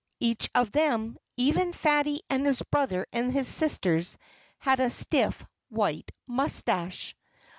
each of them, even Fatty and his brother and his sisters, had a stiff, white moustache!